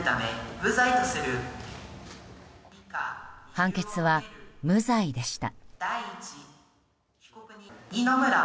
判決は無罪でした。